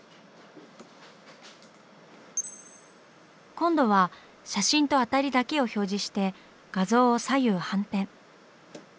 今度は写真とアタリだけを表示して画像を左右反転。